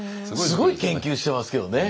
すごい研究してますけどね。